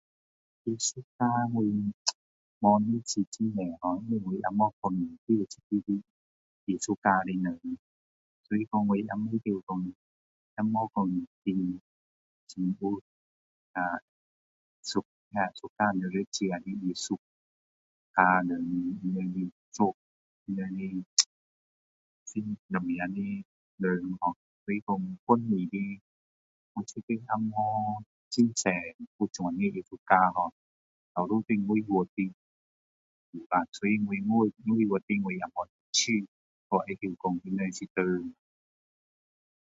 艺术家我没有认识很多[har], 也没有讲全部认识这艺术家的人。所以说不会说，也没说会很有 [unintelligible] suka 这艺术,艺术家们，他们的作，他们的是什么的人[har]，所以说本地也没有很多有这样的艺术家。外国的可能有啦。因为我对他们也没有很兴趣，也不晓得他们是谁。